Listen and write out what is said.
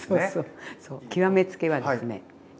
極め付けはですね